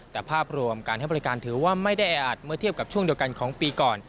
แต่ภาพรวมการให้บริการถือว่าไม่ได้แออัดเมื่อเทียบกับช่วงเดียวกันของปีก่อน